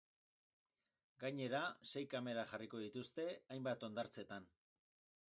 Gainera, sei kamera jarriko dituzte hainbat hondartzetan.